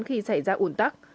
khi xảy ra ủn tắc